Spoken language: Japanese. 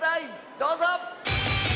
どうぞ！